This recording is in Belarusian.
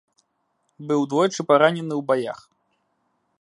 Быў двойчы паранены ў баях.